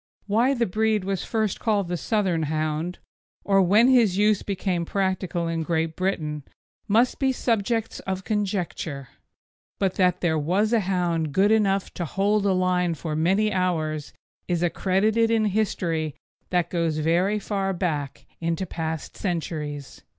Why the breed was first called the Southern Hound, or when his use became practical in Great Britain, must be subjects of conjecture; but that there was a hound good enough to hold a line for many hours is accredited in history that goes very far back into past centuries.